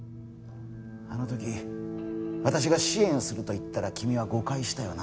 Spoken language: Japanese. あの時私が支援すると言ったら君は誤解したよな。